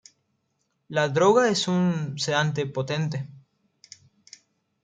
La droga es un sedante potente.